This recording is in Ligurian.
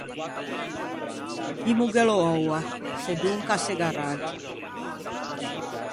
Dimmoghelo oua, sedonca a se gh’arraggia.